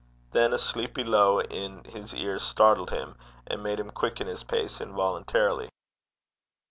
Then a sleepy low in his ear startled him, and made him quicken his pace involuntarily.